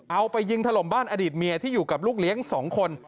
เอาไปยิงถล่มบ้านอดีตเมียที่อยู่กับลูกเลี้ยง๒คน